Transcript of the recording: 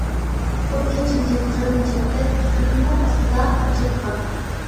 خۇددى جىمجىت قىرغىنچىلىقتەك ئۈستىدىنمۇ ئاستىدا جىق قان.